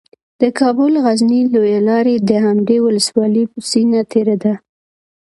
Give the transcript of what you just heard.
د کابل غزني لویه لاره د همدې ولسوالۍ په سینه تیره ده